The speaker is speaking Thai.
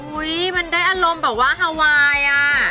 อุ๊ยมันได้อารมณ์แบบว่าฮาวาย